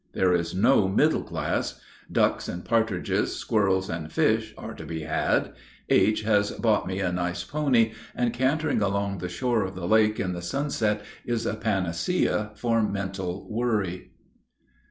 There is no middle class. Ducks and partridges, squirrels and fish, are to be had. H. has bought me a nice pony, and cantering along the shore of the lake in the sunset is a panacea for mental worry.